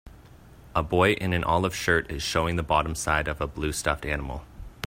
A boy in an olive shirt is showing the bottom side of a blue stuffed animal.